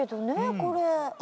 これ。